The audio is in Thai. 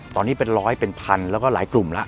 ตอนนี้เป็นร้อยเป็นพันแล้วก็หลายกลุ่มแล้ว